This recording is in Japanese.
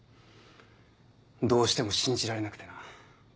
どうしても信じられなくてな。